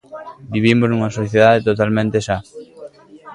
Vivimos nunha sociedade totalmente sa.